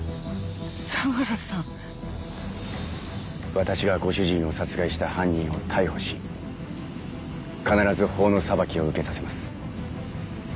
私がご主人を殺害した犯人を逮捕し必ず法の裁きを受けさせます。